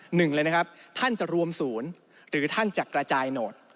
หนึ่งเลยนะครับท่านจะรวมศูนย์หรือท่านจะกระจายโหนด